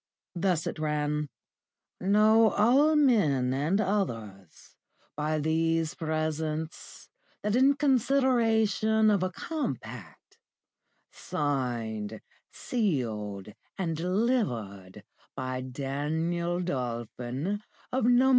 Thus it ran: "Know all men, and others, by these presents that in consideration of a compact, signed, sealed, and delivered by Daniel Dolphin, of No.